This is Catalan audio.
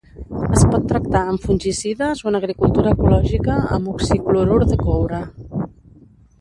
Es pot tractar amb fungicides o en agricultura ecològica amb oxiclorur de coure.